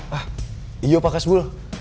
hah iya pak kasbul